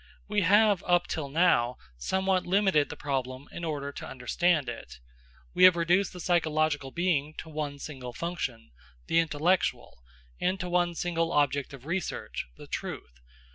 We have up till now somewhat limited the problem, in order to understand it. We have reduced the psychological being to one single function, the intellectual, and to one single object of research, the truth.